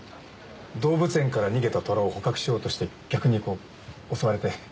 動物園から逃げた虎を捕獲しようとして逆にこう襲われて。